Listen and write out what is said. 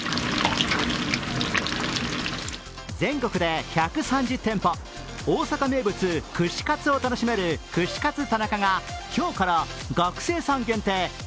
全国で１３０店舗、大阪名物・串カツを楽しめる串カツ田中が今日から学生さん限定